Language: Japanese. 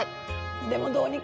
でもどうにか。